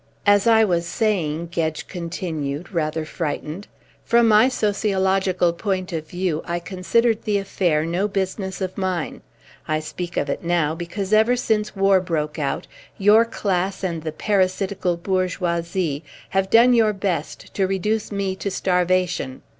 "As I was saying," Gedge continued, rather frightened, "from my sociological point of view I considered the affair no business of mine. I speak of it now, because ever since war broke out your class and the parasitical bourgeoisie have done your best to reduce me to starvation.